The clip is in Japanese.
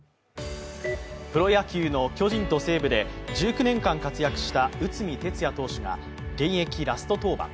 プロ野球の巨人と西武で１９年間活躍した内海哲也投手が現役ラスト登板。